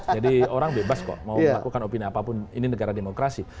jadi orang bebas kok mau melakukan opini apapun ini negara demokrasi